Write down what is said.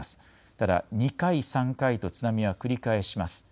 ただ２回、３回と津波は繰り返します。